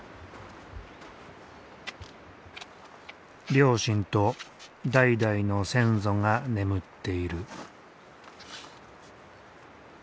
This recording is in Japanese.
両親と代々の先祖が眠っている。